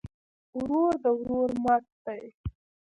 ورور د ورور مټ دی